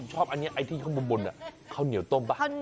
ชอบอันนี้ที่บนข้าวเหนียวต้มปะ